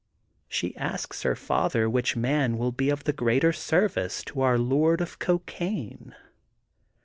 , She asks her father which man will be of the greater service to Our Lord of Cocaine?